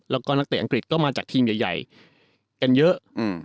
แล้วก็นักเตะอังกฤษก็มาจากทีมใหญ่กันเยอะ